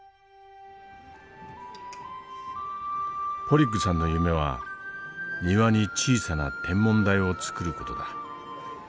ポリッグさんの夢は庭に小さな天文台を作る事だ。